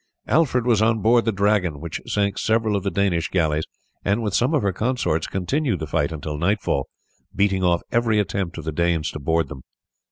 Alfred was on board the Dragon, which sank several of the Danish galleys, and with some of her consorts continued the fight until nightfall, beating off every attempt of the Danes to board them.